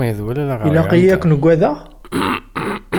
Ilaq-iyi ad ken-agadeɣ?